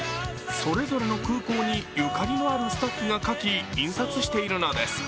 それぞれの空港にゆかりのあるスタッフが書き印刷しているんです。